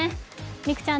美空ちゃん